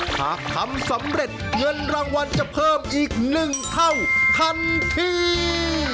หากทำสำเร็จเงินรางวัลจะเพิ่มอีก๑เท่าทันที